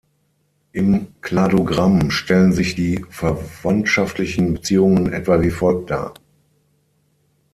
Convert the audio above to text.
Im Kladogramm stellen sich die verwandtschaftlichen Beziehungen etwa wie folgt dar.